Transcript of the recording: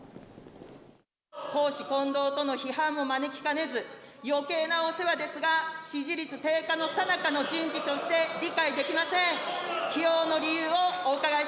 公私混同との批判も招きかねず、よけいなお世話ですが、支持率低下のさなかの人事として、理解できません。